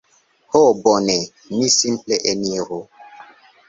Ho bone... mi simple eniru...